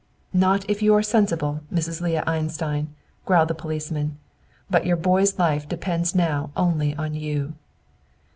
"Not if you are sensible, Mrs. Leah Einstein," growled the policeman. "But your boy's life depends now only on you."